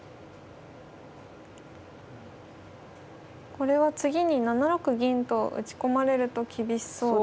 これは次に７六銀と打ち込まれると厳しそうですね。